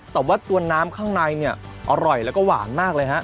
แต่ว่าตัวน้ำข้างในเนี่ยอร่อยแล้วก็หวานมากเลยฮะ